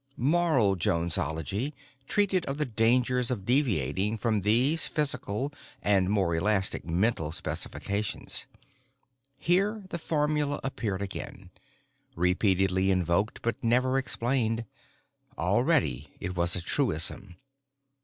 Moral Jonesology treated of the dangers of deviating from these physical and more elastic mental specifications. (Here the formula appeared again, repeatedly invoked but never explained. Already it was a truism.)